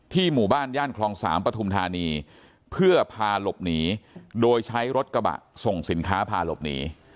หมู่บ้านย่านคลอง๓ปฐุมธานีเพื่อพาหลบหนีโดยใช้รถกระบะส่งสินค้าพาหลบหนี